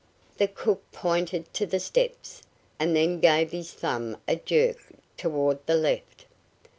The cook pointed to the steps, and then gave his thumb a jerk toward the left.